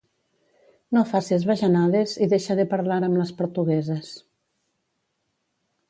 No faces bajanades i deixa de parlar amb les portugueses